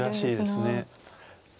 珍しいですね。